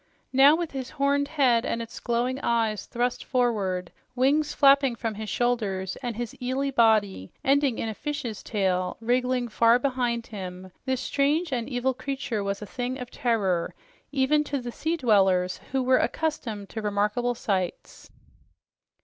Now, with his horned head and its glowing eyes thrust forward, wings flapping from his shoulders and his eely body ending in a fish's tail wriggling far behind him, this strange and evil creature was a thing of terror even to the sea dwellers, who were accustomed to remarkable sights.